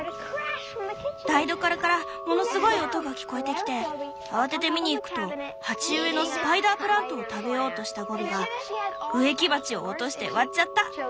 台所からものすごい音が聞こえてきて慌てて見にいくと鉢植えのスパイダープラントを食べようとしたゴビが植木鉢を落として割っちゃった！